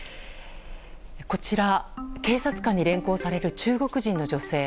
こちら、警察官に連行される中国人の女性。